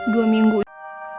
dua minggu ini